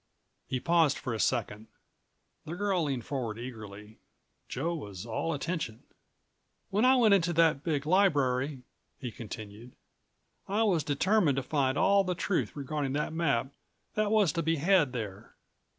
He paused for a second. The girl leaned forward eagerly. Joe was all attention. "When I went into that big library," he continued, "I was determined to find all the truth regarding that map that was to be had there.